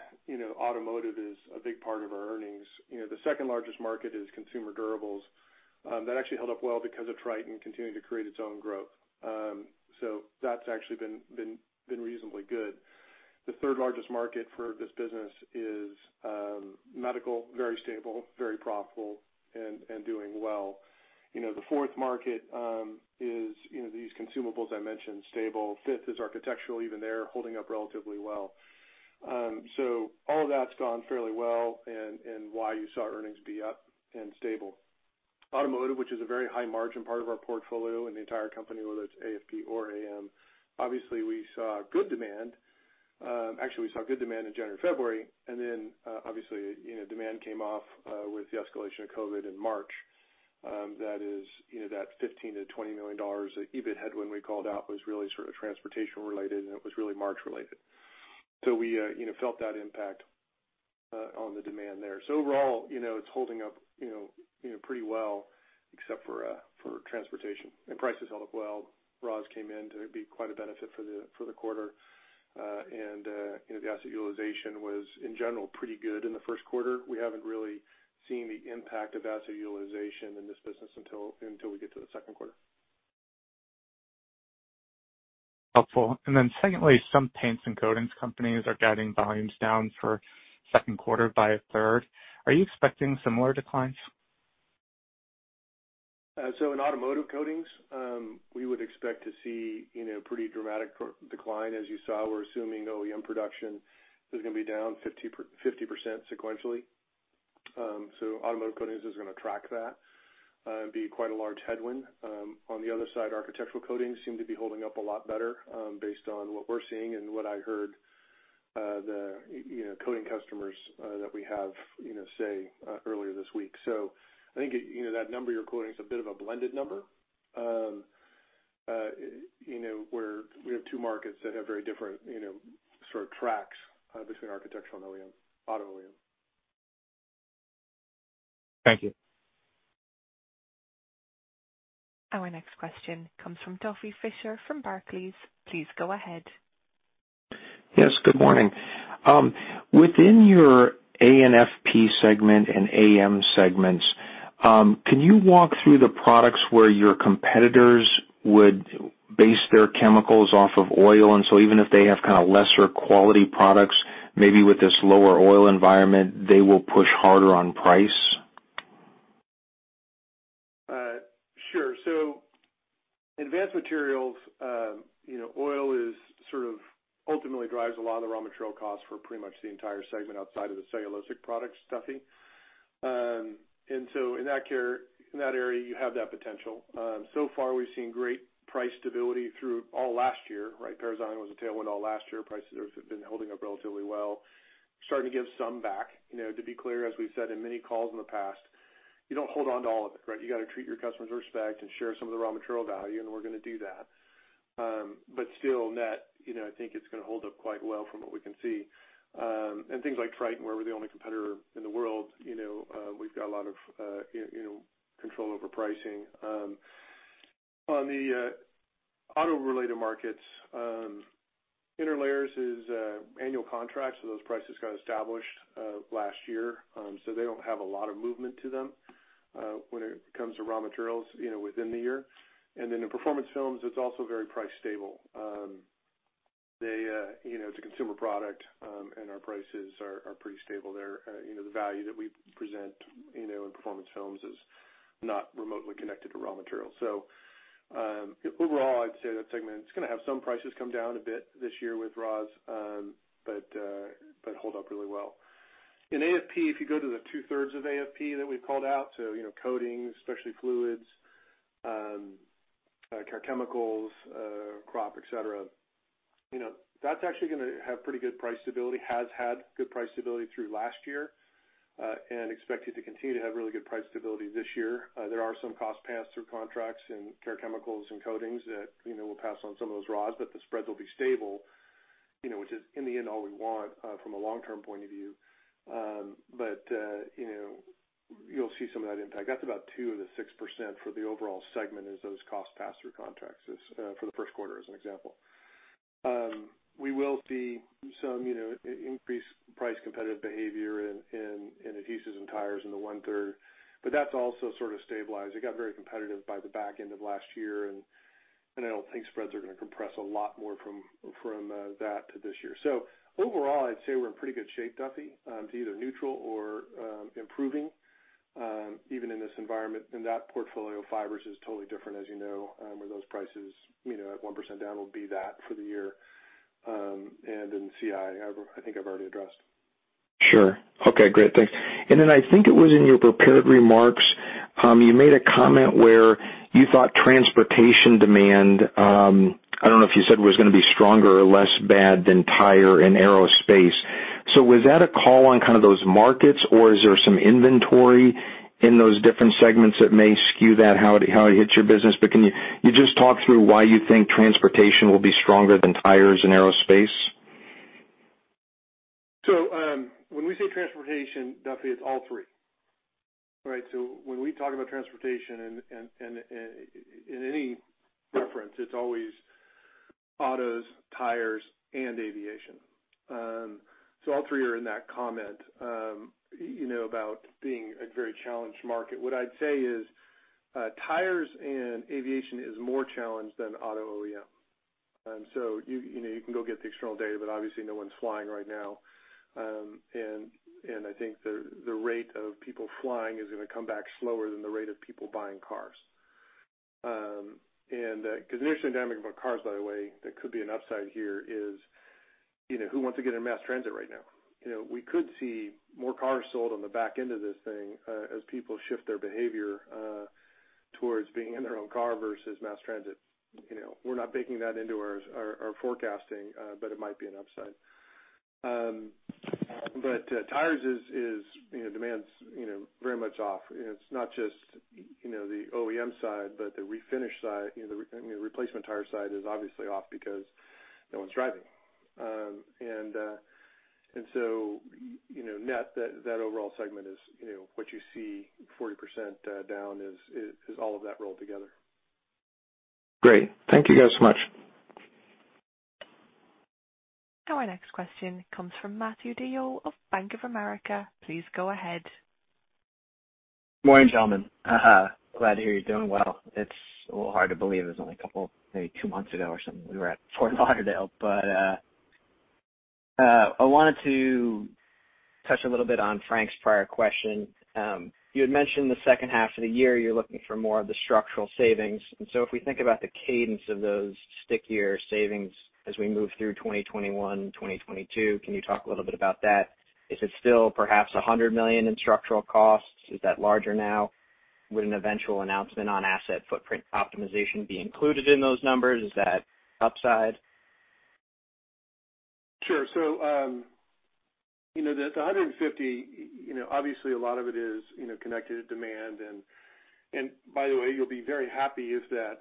automotive is a big part of our earnings. The second largest market is consumer durables. That actually held up well because of Tritan continuing to create its own growth. That's actually been reasonably good. The third largest market for this business is medical, very stable, very profitable, and doing well. The fourth market is these consumables I mentioned, stable. Fifth is architectural, even they're holding up relatively well. All of that's gone fairly well and why you saw earnings be up and stable. Automotive, which is a very high margin part of our portfolio in the entire company, whether it's AFP or AM, obviously we saw good demand. Actually, we saw good demand in January, February, then, obviously, demand came off with the escalation of COVID in March. That is that $15 million-$20 million EBIT headwind we called out was really sort of transportation related, it was really March related. We felt that impact on the demand there. Overall, it's holding up pretty well except for transportation. Prices held up well. Raws came in to be quite a benefit for the quarter. The asset utilization was, in general, pretty good in the first quarter. We haven't really seen the impact of asset utilization in this business until we get to the second quarter. Helpful. Secondly, some paints and coatings companies are guiding volumes down for second quarter by a third. Are you expecting similar declines? In automotive coatings, we would expect to see pretty dramatic decline. As you saw, we're assuming OEM production is going to be down 50% sequentially. Automotive coatings is going to track that and be quite a large headwind. On the other side, architectural coatings seem to be holding up a lot better, based on what we're seeing and what I heard the coating customers that we have say earlier this week. I think that number you're quoting is a bit of a blended number. We have two markets that have very different sort of tracks between architectural and auto OEM. Thank you. Our next question comes from Duffy Fischer from Barclays. Please go ahead. Yes, good morning. Within your AFP segment and AM segments, can you walk through the products where your competitors would base their chemicals off of oil, and so even if they have lesser quality products, maybe with this lower oil environment, they will push harder on price? Sure. Advanced materials, oil sort of ultimately drives a lot of the raw material costs for pretty much the entire segment outside of the cellulosic products, Duffy. In that area, you have that potential. Far, we've seen great price stability through all last year, right? paraxylene was a tailwind all last year. Prices have been holding up relatively well. Starting to give some back. To be clear, as we've said in many calls in the past, you don't hold on to all of it, right? You got to treat your customers with respect and share some of the raw material value, and we're going to do that. Still, net, I think it's going to hold up quite well from what we can see. Things like Tritan, where we're the only competitor in the world, we've got a lot of control over pricing. On the auto-related markets, interlayers is annual contracts, so those prices got established last year. They don't have a lot of movement to them when it comes to raw materials within the year. In performance films, it's also very price stable. It's a consumer product, and our prices are pretty stable there. The value that we present in performance films is not remotely connected to raw materials. Overall, I'd say that segment is going to have some prices come down a bit this year with RAUs, but hold up really well. In AFP, if you go to the two-thirds of AFP that we've called out, so coatings, specialty fluids, care chemicals, crop, et cetera, that's actually going to have pretty good price stability, has had good price stability through last year. Expect it to continue to have really good price stability this year. There are some cost pass-through contracts in care chemicals and coatings that we'll pass on some of those RAUs, but the spreads will be stable. Which is, in the end, all we want from a long-term point of view. You'll see some of that impact. That's about 2% of the 6% for the overall segment is those cost pass-through contracts for the first quarter, as an example. We will see some increased price competitive behavior in adhesives and tires in the one-third, but that's also sort of stabilized. It got very competitive by the back end of last year, and I don't think spreads are going to compress a lot more from that to this year. Overall, I'd say we're in pretty good shape, Duffy, to either neutral or improving even in this environment. That portfolio of fibers is totally different as you know, where those prices at 1% down will be that for the year. In CI, I think I've already addressed. Sure. Okay, great. Thanks. I think it was in your prepared remarks, you made a comment where you thought transportation demand, I don't know if you said was going to be stronger or less bad than tire and aerospace. Was that a call on kind of those markets, or is there some inventory in those different segments that may skew that, how it hits your business? Can you just talk through why you think transportation will be stronger than tires and aerospace? When we say transportation, Duffy, it's all three, right? When we talk about transportation and in any reference, it's always autos, tires, and aviation. All three are in that comment about being a very challenged market. What I'd say is tires and aviation is more challenged than auto OEM. You can go get the external data, but obviously no one's flying right now. I think the rate of people flying is going to come back slower than the rate of people buying cars. Because an interesting dynamic about cars, by the way, that could be an upside here is who wants to get in mass transit right now? We could see more cars sold on the back end of this thing as people shift their behavior towards being in their own car versus mass transit. We're not baking that into our forecasting, it might be an upside. Tires is demand's very much off. It's not just the OEM side, but the refinish side, the replacement tire side is obviously off because no one's driving. Net, that overall segment is what you see 40% down is all of that rolled together. Great. Thank you guys much. Our next question comes from Matthew DeYoe of Bank of America. Please go ahead. Morning, gentlemen. Glad to hear you're doing well. It's a little hard to believe it was only a couple, maybe two months ago or something we were at Fort Lauderdale. I wanted to touch a little bit on Frank's prior question. You had mentioned the second half of the year, you're looking for more of the structural savings. If we think about the cadence of those stickier savings as we move through 2021, 2022, can you talk a little bit about that? Is it still perhaps $100 million in structural costs? Is that larger now? Would an eventual announcement on asset footprint optimization be included in those numbers? Is that upside? Sure. The $150 million, obviously a lot of it is connected to demand, and by the way, you'll be very happy if that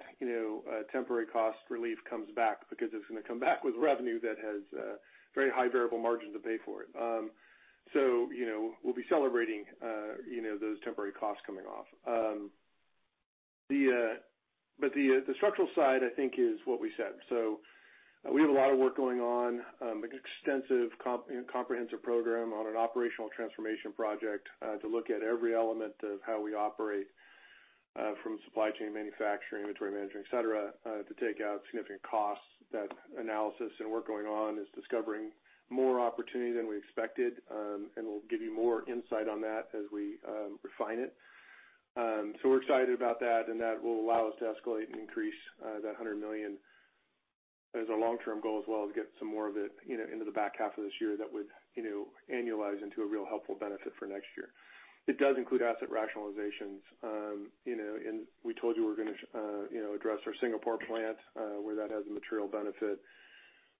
temporary cost relief comes back because it's going to come back with revenue that has very high variable margins to pay for it. We'll be celebrating those temporary costs coming off. The structural side, I think is what we said. We have a lot of work going on, an extensive comprehensive program on an operational transformation project to look at every element of how we operate from supply chain manufacturing, inventory management, et cetera to take out significant costs. That analysis and work going on is discovering more opportunity than we expected, and we'll give you more insight on that as we refine it. We're excited about that, and that will allow us to escalate and increase that $100 million as our long-term goal as well to get some more of it into the back half of this year that would annualize into a real helpful benefit for next year. It does include asset rationalizations, and we told you we're going to address our Singapore plant where that has a material benefit.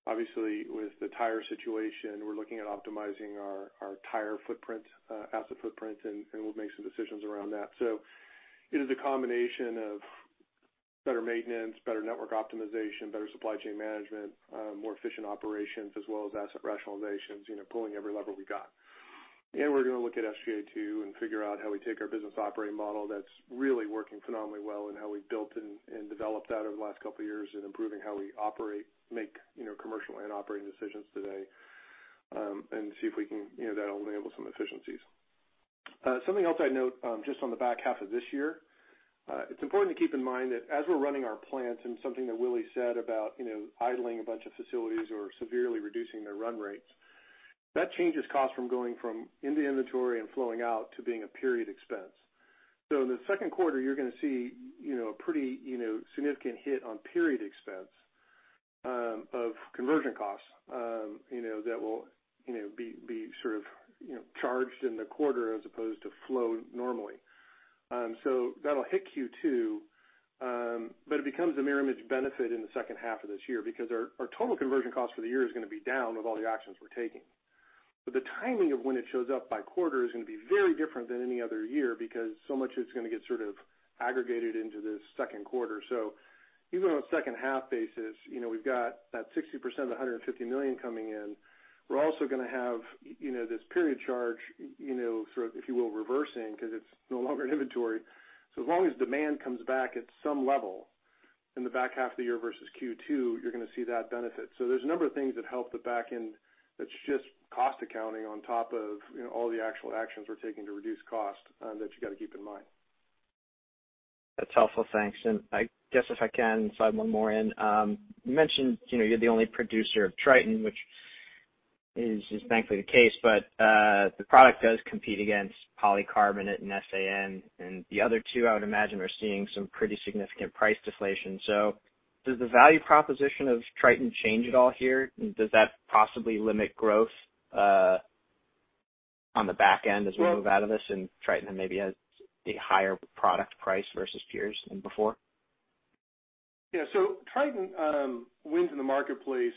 Obviously, with the tire situation, we're looking at optimizing our tire footprint, asset footprint, and we'll make some decisions around that. It is a combination of better maintenance, better network optimization, better supply chain management, more efficient operations as well as asset rationalizations, pulling every lever we got. We're going to look at SG&A too and figure out how we take our business operating model that's really working phenomenally well and how we built and developed that over the last couple of years and improving how we operate, make commercial and operating decisions today and see if that will enable some efficiencies. Something else I'd note just on the back half of this year, it's important to keep in mind that as we're running our plants and something that Willie said about idling a bunch of facilities or severely reducing their run rates, that changes cost from going from in the inventory and flowing out to being a period expense. In the second quarter, you're going to see a pretty significant hit on period expense of conversion costs that will be sort of charged in the quarter as opposed to flow normally. That'll hit Q2, but it becomes a mirror image benefit in the second half of this year because our total conversion cost for the year is going to be down with all the actions we're taking. The timing of when it shows up by quarter is going to be very different than any other year because so much of it's going to get sort of aggregated into this second quarter. Even on a second half basis, we've got that 60% of the $150 million coming in. We're also going to have this period charge sort of, if you will, reversing because it's no longer in inventory. As long as demand comes back at some level in the back half of the year versus Q2, you're going to see that benefit. There's a number of things that help the back end that's just cost accounting on top of all the actual actions we're taking to reduce cost that you gotta keep in mind. That's helpful. Thanks. I guess if I can slide one more in. You mentioned you're the only producer of Tritan, which is thankfully the case, but the product does compete against polycarbonate and SAN, and the other two, I would imagine, are seeing some pretty significant price deflation. Does the value proposition of Tritan change at all here? Does that possibly limit growth on the back end as we move out of this, and Tritan maybe has a higher product price versus peers than before? Tritan wins in the marketplace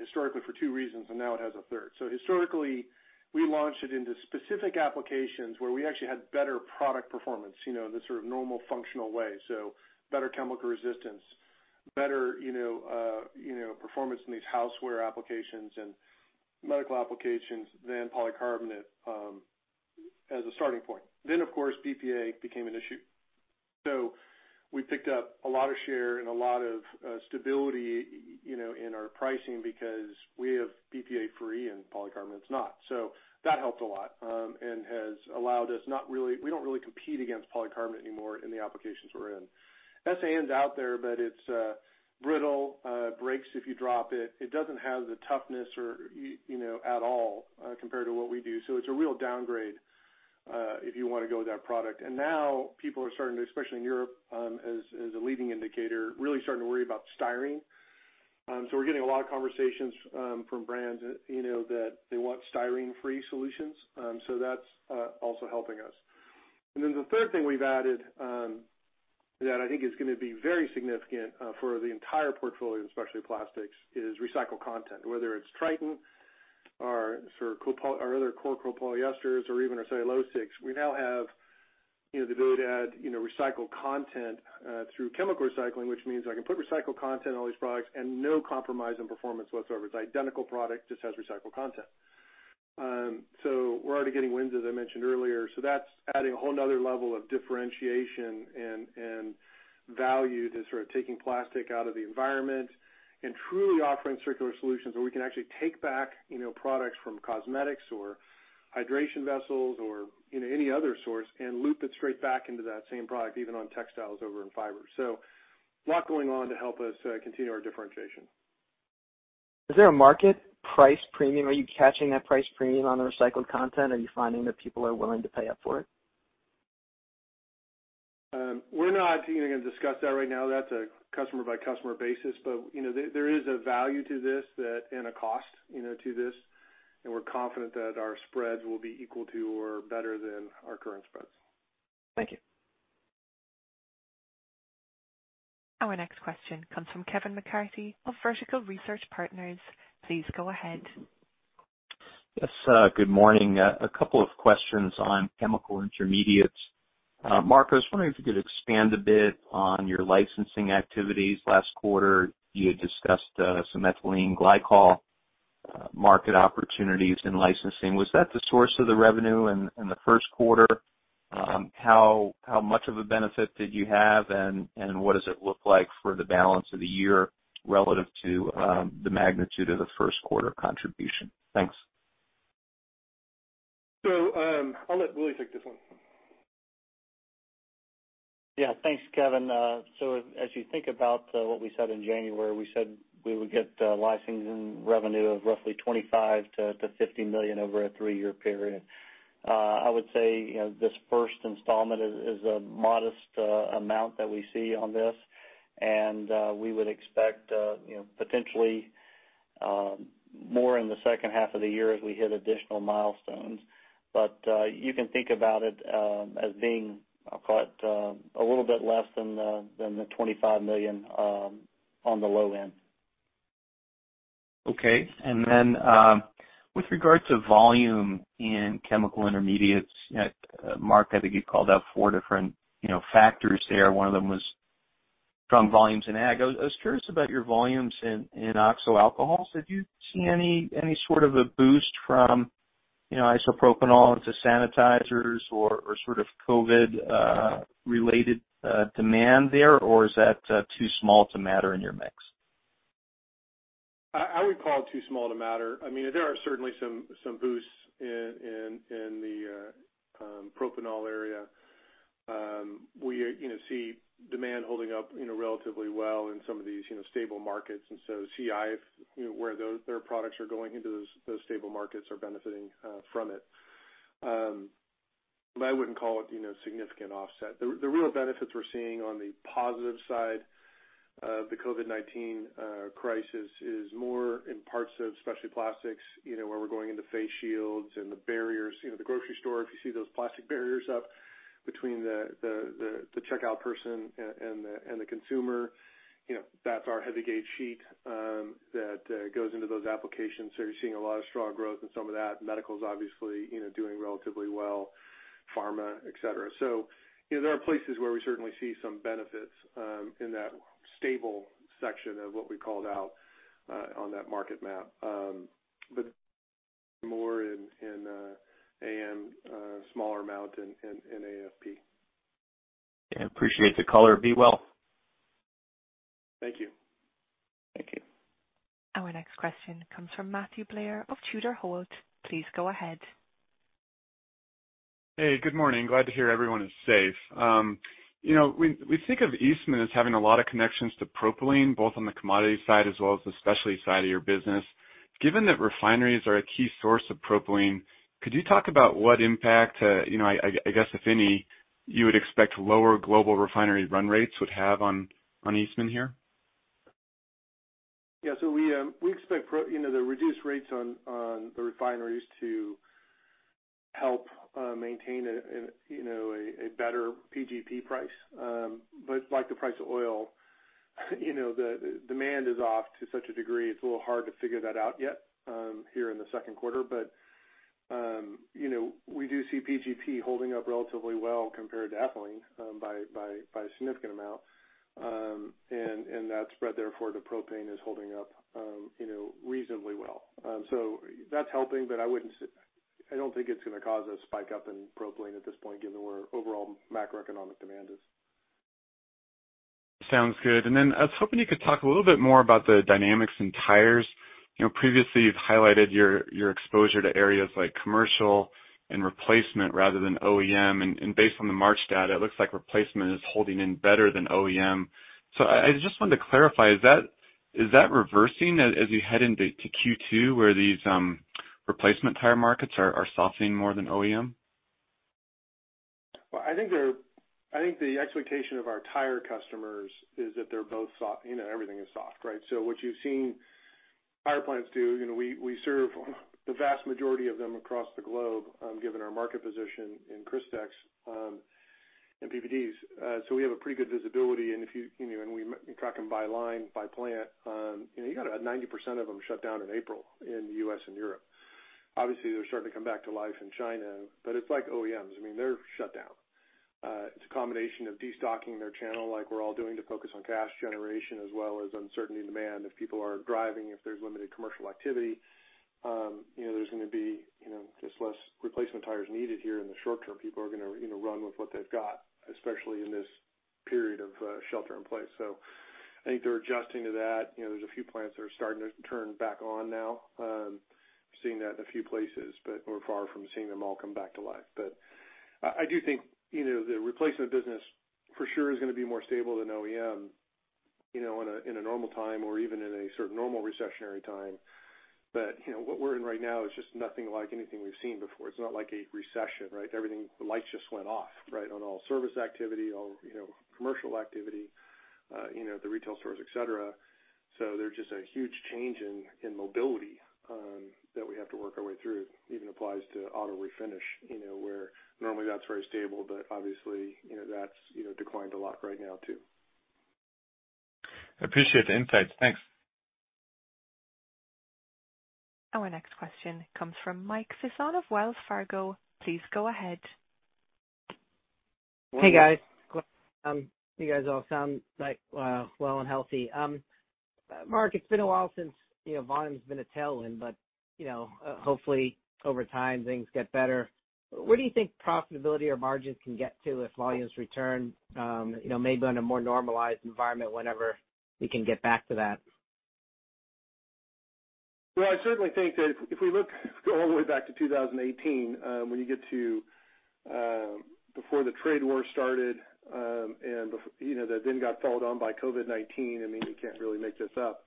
historically for two reasons, and now it has a third. Historically, we launched it into specific applications where we actually had better product performance, the sort of normal functional way. Better chemical resistance, better performance in these houseware applications and medical applications than polycarbonate as a starting point. Of course, BPA became an issue. We picked up a lot of share and a lot of stability in our pricing because we have BPA-free and polycarbonate is not. That helped a lot, and has allowed us. We don't really compete against polycarbonate anymore in the applications we're in. SAN's out there, it's brittle, breaks if you drop it. It doesn't have the toughness at all compared to what we do. It's a real downgrade if you want to go with that product. Now people are starting to, especially in Europe as a leading indicator, really starting to worry about styrene. We're getting a lot of conversations from brands that they want styrene-free solutions. That's also helping us. The third thing we've added that I think is going to be very significant for the entire portfolio in specialty plastics is recycled content. Whether it's Tritan or our other core copolyesters or even our cellulosics, we now have the ability to add recycled content through chemical recycling, which means I can put recycled content in all these products and no compromise in performance whatsoever. It's identical product, just has recycled content. We're already getting wins, as I mentioned earlier. That's adding a whole other level of differentiation and value to taking plastic out of the environment and truly offering circular solutions where we can actually take back products from cosmetics or hydration vessels or any other source and loop it straight back into that same product, even on textiles over in fiber. A lot going on to help us continue our differentiation. Is there a market price premium? Are you catching that price premium on the recycled content? Are you finding that people are willing to pay up for it? We're not going to discuss that right now. That's a customer-by-customer basis, but there is a value to this and a cost to this, and we're confident that our spreads will be equal to or better than our current spreads. Thank you. Our next question comes from Kevin McCarthy of Vertical Research Partners. Please go ahead. Yes. Good morning. A couple of questions on chemical intermediates. Mark, I was wondering if you could expand a bit on your licensing activities. Last quarter, you had discussed some ethylene glycol market opportunities in licensing. Was that the source of the revenue in the first quarter? How much of a benefit did you have, and what does it look like for the balance of the year relative to the magnitude of the first quarter contribution? Thanks. I'll let Willie take this one. Yeah. Thanks, Kevin. As you think about what we said in January, we said we would get licensing revenue of roughly $25 million-$50 million over a three-year period. I would say this first installment is a modest amount that we see on this, and we would expect potentially more in the second half of the year as we hit additional milestones. You can think about it as being, I'll call it, a little bit less than the $25 million on the low end. Okay. With regard to volume in chemical intermediates, Mark, I think you called out four different factors there. One of them was from volumes in ag. I was curious about your volumes in oxo alcohols. Did you see any sort of a boost from isopropanol to sanitizers or sort of COVID-related demand there, or is that too small to matter in your mix? I would call it too small to matter. There are certainly some boosts in the propanol area. We see demand holding up relatively well in some of these stable markets. CI, where their products are going into those stable markets, are benefiting from it. I wouldn't call it significant offset. The real benefits we're seeing on the positive side of the COVID-19 crisis is more in parts of specialty plastics where we're going into face shields and the barriers. The grocery store, if you see those plastic barriers up between the checkout person and the consumer, that's our heavy gauge sheet that goes into those applications. You're seeing a lot of strong growth in some of that. Medical's obviously doing relatively well, pharma, et cetera. There are places where we certainly see some benefits in that stable section of what we called out on that market map. But more in AM, smaller amount in AFP. Yeah. Appreciate the color. Be well. Thank you. Next question comes from Matthew Blair of Tudor Holt. Please go ahead. Hey, good morning. Glad to hear everyone is safe. We think of Eastman as having a lot of connections to propylene, both on the commodity side as well as the specialty side of your business. Given that refineries are a key source of propylene, could you talk about what impact, I guess if any, you would expect lower global refinery run rates would have on Eastman here? Yeah. We expect the reduced rates on the refineries to help maintain a better PGP price. Like the price of oil, the demand is off to such a degree, it's a little hard to figure that out yet here in the second quarter. We do see PGP holding up relatively well compared to ethylene by a significant amount. That spread therefore to propane is holding up reasonably well. That's helping, but I don't think it's going to cause a spike up in propylene at this point given where overall macroeconomic demand is. Sounds good. I was hoping you could talk a little bit more about the dynamics in tires. Previously, you've highlighted your exposure to areas like commercial and replacement rather than OEM. Based on the March data, it looks like replacement is holding in better than OEM. I just wanted to clarify, is that reversing as you head into Q2 where these replacement tire markets are softening more than OEM? Well, I think the expectation of our tire customers is that they're both soft, everything is soft, right? What you've seen tire plants do, we serve the vast majority of them across the globe given our market position in Crystex and PPDs. We have a pretty good visibility, and we track them by line, by plant. You got about 90% of them shut down in April in the U.S. and Europe. Obviously, they're starting to come back to life in China, but it's like OEMs. I mean, they're shut down. It's a combination of destocking their channel like we're all doing to focus on cash generation as well as uncertainty in demand. If people aren't driving, if there's limited commercial activity, there's going to be just less replacement tires needed here in the short term. People are going to run with what they've got, especially in this period of shelter in place. I think they're adjusting to that. There's a few plants that are starting to turn back on now. Seeing that in a few places, we're far from seeing them all come back to life. I do think the replacement business for sure is going to be more stable than OEM in a normal time or even in a sort of normal recessionary time. What we're in right now is just nothing like anything we've seen before. It's not like a recession, right? Everything, the lights just went off on all service activity, all commercial activity, the retail stores, et cetera. There's just a huge change in mobility that we have to work our way through. Even applies to auto refinish, where normally that's very stable, but obviously, that's declined a lot right now too. Appreciate the insights. Thanks. Our next question comes from Mike Sisson of Wells Fargo. Please go ahead. Hey, guys. Glad you guys all sound well and healthy. Mark, it's been a while since volume's been a tailwind. Hopefully over time things get better. Where do you think profitability or margins can get to if volumes return maybe on a more normalized environment whenever we can get back to that? Well, I certainly think that if we look all the way back to 2018, when you get to before the trade war started, that then got followed on by COVID-19, I mean, you can't really make this up.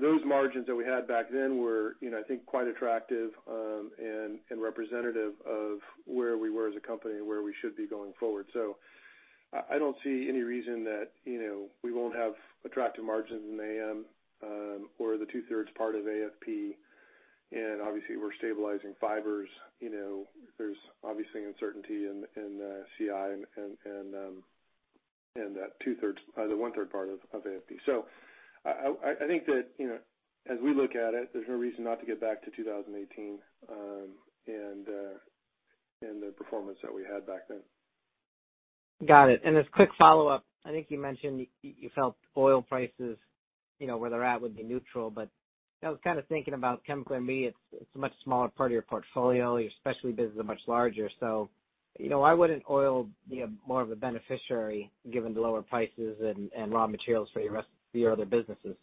Those margins that we had back then were I think quite attractive and representative of where we were as a company and where we should be going forward. I don't see any reason that we won't have attractive margins in AM or the two-thirds part of AFP, and obviously we're stabilizing fibers. There's obviously uncertainty in CI and the one-third part of AFP. I think that as we look at it, there's no reason not to get back to 2018 and the performance that we had back then. Got it. As quick follow-up, I think you mentioned you felt oil prices where they're at would be neutral, I was kind of thinking about chemical, I mean, it's a much smaller part of your portfolio. Your specialty business is much larger. Why wouldn't oil be more of a beneficiary given the lower prices and raw materials for your other businesses?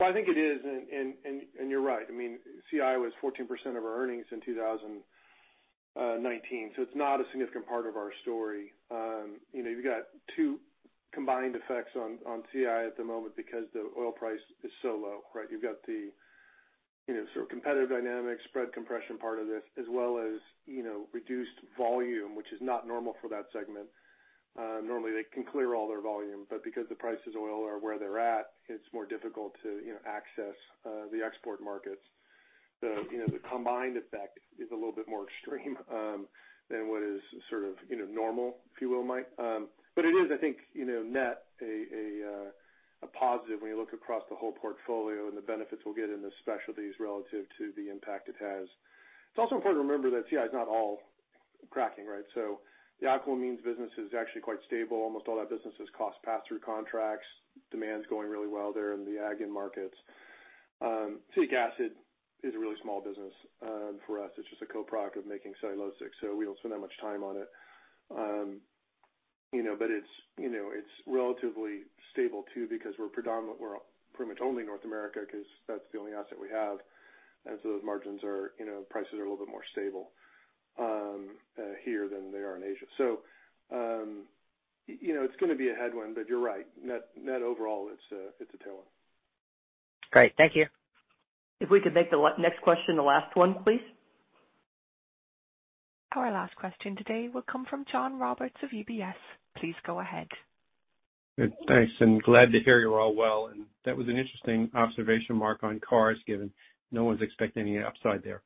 I think it is, and you're right. CI was 14% of our earnings in 2019, so it's not a significant part of our story. You've got two combined effects on CI at the moment because the oil price is so low, right? You've got the sort of competitive dynamics, spread compression part of this, as well as reduced volume, which is not normal for that segment. Normally they can clear all their volume, but because the prices of oil are where they're at, it's more difficult to access the export markets. The combined effect is a little bit more extreme than what is sort of normal, if you will, Mike. It is, I think, net a positive when you look across the whole portfolio and the benefits we'll get in the specialties relative to the impact it has. It is also important to remember that CI is not all cracking, right? The alkylamines business is actually quite stable. Almost all that business is cost pass-through contracts. Demand is going really well there in the ag and markets. Citric acid is a really small business for us. It is just a co-product of making cellulosic, so we don't spend that much time on it. It is relatively stable too, because we are pretty much only in North America because that is the only asset we have. Those prices are a little bit more stable here than they are in Asia. It is going to be a headwind, but you are right. Net overall, it is a tailwind. Great. Thank you. If we could make the next question the last one, please. Our last question today will come from John Roberts of UBS. Please go ahead. Good. Thanks, and glad to hear you're all well. That was an interesting observation, Mark, on cars, given no one's expecting any upside there.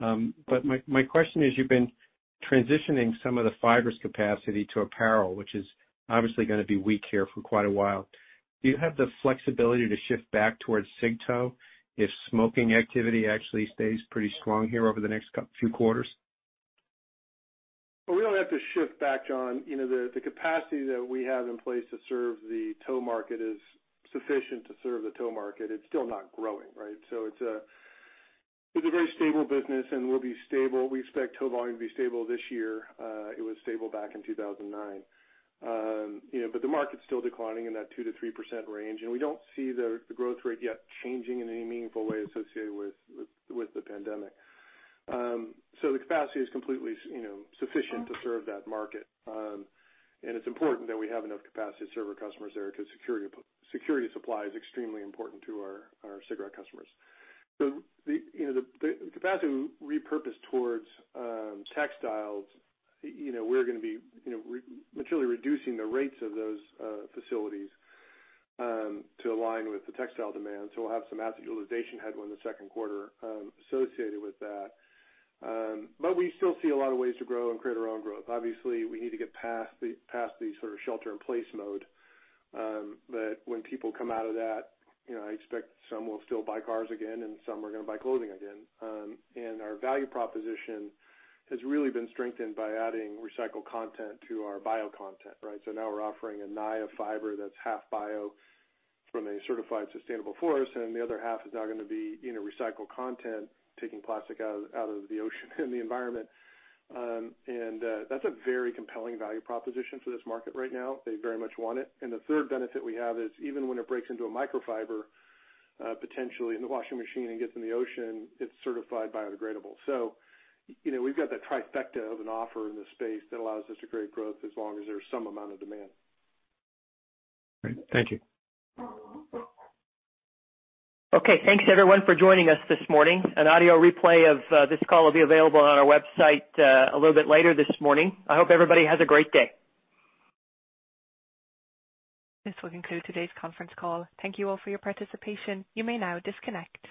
My question is, you've been transitioning some of the fibers capacity to apparel, which is obviously going to be weak here for quite a while. Do you have the flexibility to shift back towards cig tow if smoking activity actually stays pretty strong here over the next few quarters? Well, we don't have to shift back, John. The capacity that we have in place to serve the tow market is sufficient to serve the tow market. It's still not growing, right? It's a very stable business, and we'll be stable. We expect tow volume to be stable this year. It was stable back in 2009. The market's still declining in that 2%-3% range, and we don't see the growth rate yet changing in any meaningful way associated with the pandemic. The capacity is completely sufficient to serve that market. It's important that we have enough capacity to serve our customers there, because security of supply is extremely important to our cigarette customers. The capacity we repurposed towards textiles, we're going to be materially reducing the rates of those facilities to align with the textile demand. We'll have some asset utilization headwind in the second quarter associated with that. We still see a lot of ways to grow and create our own growth. Obviously, we need to get past the sort of shelter-in-place mode. When people come out of that, I expect some will still buy cars again, and some are going to buy clothing again. Our value proposition has really been strengthened by adding recycled content to our bio content, right? Now we're offering a Naia fiber that's half bio from a certified sustainable forest, and the other half is now going to be recycled content, taking plastic out of the ocean and the environment. That's a very compelling value proposition for this market right now. They very much want it. The third benefit we have is even when it breaks into a microfiber, potentially in the washing machine and gets in the ocean, it's certified biodegradable. We've got that trifecta of an offer in this space that allows us to create growth as long as there's some amount of demand. Great. Thank you. Okay, thanks everyone for joining us this morning. An audio replay of this call will be available on our website a little bit later this morning. I hope everybody has a great day. This will conclude today's conference call. Thank you all for your participation. You may now disconnect.